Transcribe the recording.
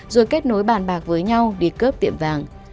rồi kết nối bàn bạc với nhau đi cướp tiệm vàng